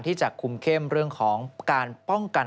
ที่จะคุมเข้มเรื่องของการป้องกัน